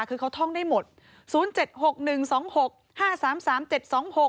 คือเขาท่องได้หมดศูนย์เจ็ดหกหนึ่งสองหกห้าสามสามเจ็ดสองหก